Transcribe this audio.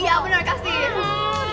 iya bener kasih